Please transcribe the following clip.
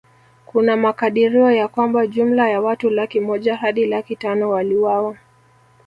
Kuna makadirio ya kwamba jumla ya watu laki moja Hadi laki tano waliuawa